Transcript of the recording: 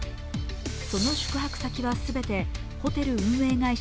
その宿泊先は全てホテル運営会社